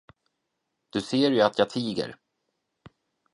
Du ser ju att jag tiger.